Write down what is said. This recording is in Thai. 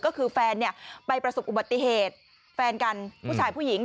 ก็คือแฟนไปประสบอุบัติเหตุแฟนกันผู้ชายผู้หญิง